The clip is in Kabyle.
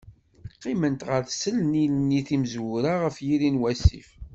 Qqiment ɣer tselnin-nni timezwura, ɣef yiri n wasif.